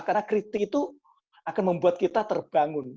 karena kritik itu akan membuat kita terbangun